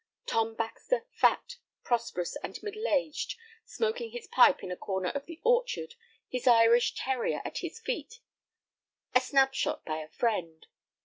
Tom Baxter, fat, prosperous, and middle aged, smoking his pipe in a corner of the orchard, his Irish terrier at his feet; a snapshot by a friend.